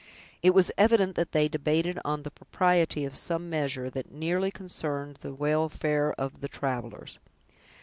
It was evident that they debated on the propriety of some measure, that nearly concerned the welfare of the travelers.